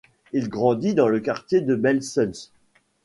Il grandit dans le quartier de Belsunce.